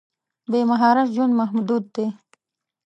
بې مهارت ژوند محدود دی.